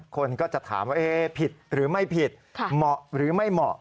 คนก็จะถามว่าผิดหรือไม่ผิดเหมาะหรือไม่เหมาะ